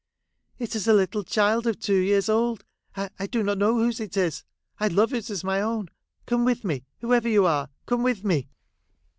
' It is a little child of two years old. — I do not know whose it is ; I love it as my own. Come with me, whoever you are ; come with me.'